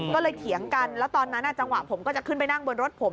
ก็เลยเถียงกันแล้วตอนนั้นจังหวะผมก็จะขึ้นไปนั่งบนรถผม